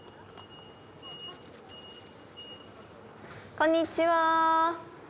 こんにちは。